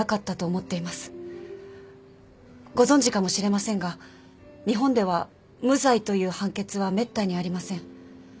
ご存じかもしれませんが日本では無罪という判決はめったにありません。